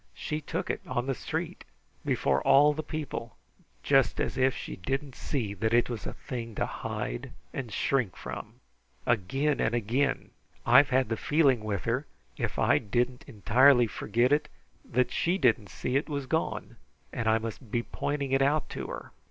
She took it on the street, before all the people, just as if she didn't see that it was a thing to hide and shrink from. Again and again I've had the feeling with her, if I didn't entirely forget it, that she didn't see it was gone and I must he pointing it out to her.